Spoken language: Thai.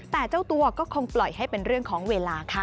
แต่เจ้าตัวก็คงปล่อยให้เป็นเรื่องของเวลาค่ะ